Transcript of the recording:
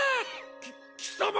き貴様！